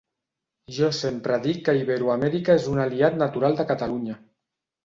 Jo sempre dic que Iberoamèrica és un aliat natural de Catalunya.